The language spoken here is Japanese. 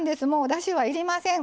だしはいりません。